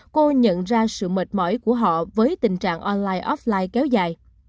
cô nhận ra sự mệt mỏi của họ với tình trạng online offline kéo dài